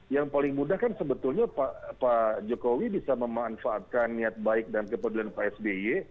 yang paling mudah kan sebetulnya pak jokowi bisa memanfaatkan niat baik dan kepedulian pak sby